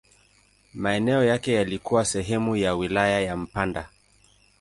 Maeneo yake yalikuwa sehemu ya wilaya ya Mpanda.